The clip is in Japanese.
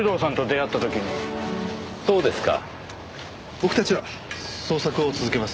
僕たちは捜索を続けます。